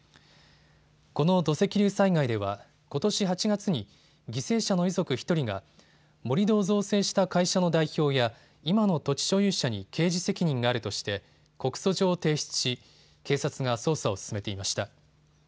この土石流災害ではことし８月に犠牲者の遺族１人が盛り土を造成した会社の代表や今の土地所有者に刑事責任があるとして告訴状を提出し、警察が捜査を進めていました。